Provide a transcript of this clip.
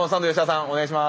お願いします。